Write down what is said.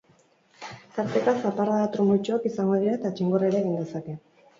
Tarteka, zaparrada trumoitsuak izango dira, eta txingorra ere egin dezake.